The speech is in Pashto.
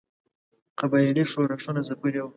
قبایلي ښورښونه ځپلي وه.